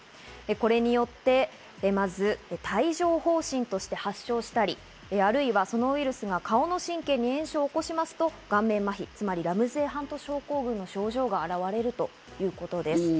これによってまず帯状疱疹として発症したり、あるいはそのウイルスが顔の神経に炎症を起こしますと顔面麻痺、つまりラムゼイハント症候群の症状が起きるといいます。